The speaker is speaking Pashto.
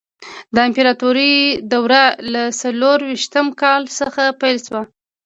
د امپراتورۍ دوره له څلور ویشتم کال څخه پیل شوه.